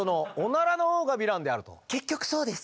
結局そうです。